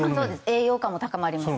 栄養価も高まります。